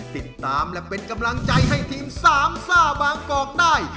ติดตามและเป็นกำลังใจให้ทีมสามซ่าบางกอกได้